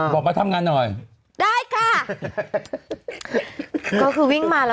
บอกมาทำงานหน่อยได้ค่า